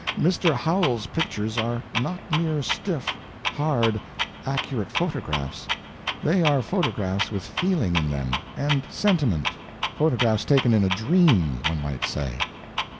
Mr. Howells's pictures are not mere stiff, hard, accurate photographs; they are photographs with feeling in them, and sentiment, photographs taken in a dream, one might say.